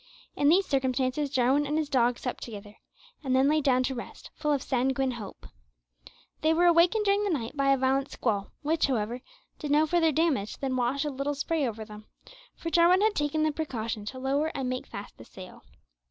In these circumstances Jarwin and his dog supped together, and then lay down to rest, full of sanguine hope. They were awakened during the night by a violent squall, which, however, did no further damage than wash a little spray over them, for Jarwin had taken the precaution to lower and make fast the sail.